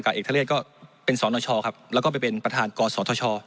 การเอกทะเลียดก็เป็นสรทชครับแล้วก็ไปเป็นประธานกรสรทช